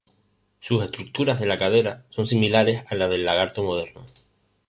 Sus estructuras de la cadera son similares a la del lagarto moderno.